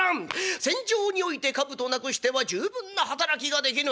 戦場において兜なくしては十分な働きができぬ。